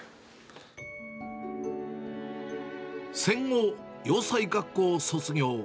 戦後、洋裁学校を卒業。